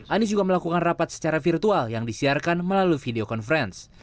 anies juga melakukan rapat secara virtual yang disiarkan melalui video conference